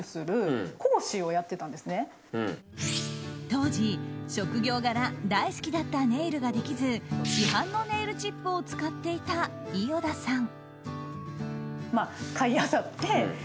当時、職業柄大好きだったネイルができず市販のネイルチップを使っていた伊與田さん。